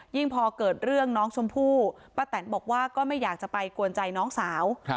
พอเกิดเรื่องน้องชมพู่ป้าแตนบอกว่าก็ไม่อยากจะไปกวนใจน้องสาว